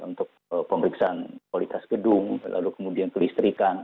untuk pemeriksaan kualitas gedung lalu kemudian kelistrikan